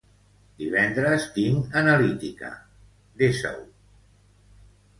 Divendres tinc analítica, desa-ho.